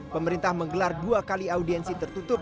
pemerintah menggelar dua kali audiensi tertutup